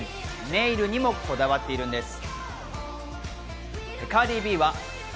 ネイルにもこだわっているんです。